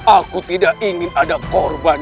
aku tidak ingin ada korban